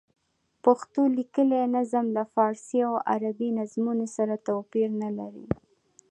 پښتو لیکلی نظم له فارسي او عربي نظمونو سره توپیر نه لري.